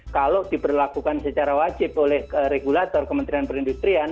kalau diberlakukan secara wajib oleh regulator kementerian perindustrian